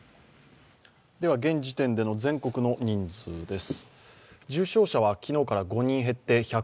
現時点での全国の人数です。